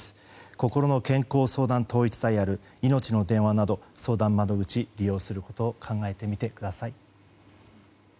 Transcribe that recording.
こころの健康相談統一ダイヤルいのちの電話など相談窓口を利用することを考えてみてください。